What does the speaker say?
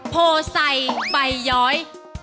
โพสัยไปย้อย